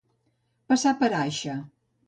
Passar per aixa.